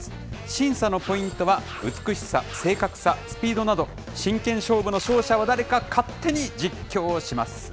審査のポイントは、美しさ、正確さ、スピードなど、真剣勝負の勝者は誰か、勝手に実況します。